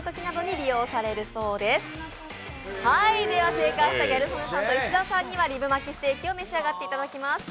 正解したギャル曽根さんと石田さんにはリブマキステーキを召し上がっていただきます。